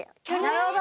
なるほど。